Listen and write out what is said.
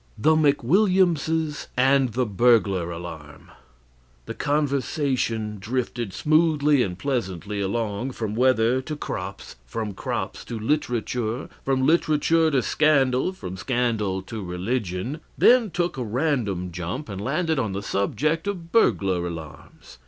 THE McWILLIAMSES AND THE BURGLAR ALARM The conversation drifted smoothly and pleasantly along from weather to crops, from crops to literature, from literature to scandal, from scandal to religion; then took a random jump, and landed on the subject of burglar alarms.